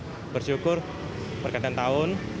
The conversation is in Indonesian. kita harus bersyukur berkadang tahun